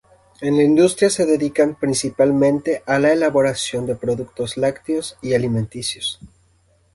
En la Industria se dedican principalmente a la elaboración de productos lácteos y alimenticios.